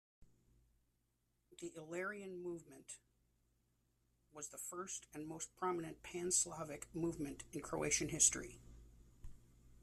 The Illyrian movement was the first and most prominent Pan-Slavic movement in Croatian history.